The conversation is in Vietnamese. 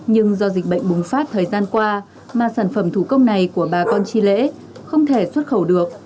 nhưng do dịch bệnh bùng phát thời gian qua mà sản phẩm thủ công này của bà con chi lễ không thể xuất khẩu được